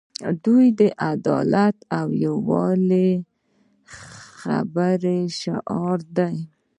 دوی د عدالت او یووالي خبرې شعار دي.